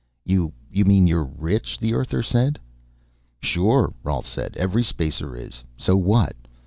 "You mean you're rich?" the Earther said. "Sure," Rolf said. "Every Spacer is. So what?